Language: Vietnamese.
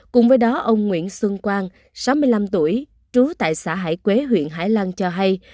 cùng với đó ông nguyễn xuân quang sáu mươi năm tuổi trú tại xã hải quế huyện hải lăng cho hay